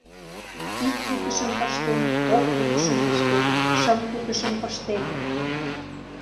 Ик кутышым пыштем, кок кутышым пыштем, шым кутышым пыштем...